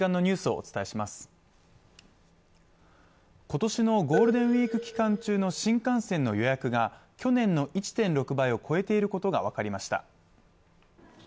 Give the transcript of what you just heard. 今年のゴールデンウイーク期間中の新幹線の予約が去年の１．６倍を超えていることが分かりました。